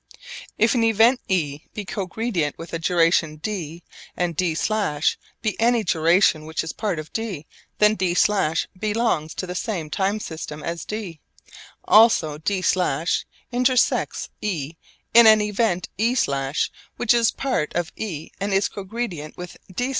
If an event e be cogredient with a duration d, and d′ be any duration which is part of d. Then d′ belongs to the same time system as d. Also d′ intersects e in an event e′ which is part of e and is cogredient with d′.